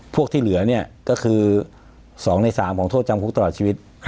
ที่เหลือเนี่ยก็คือ๒ใน๓ของโทษจำคุกตลอดชีวิต